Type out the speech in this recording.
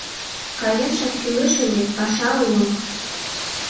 Каяшак кӱлеш ыле — паша уло.